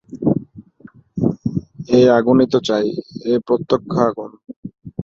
এই আগুনই তো চাই, এই প্রত্যক্ষ আগুন।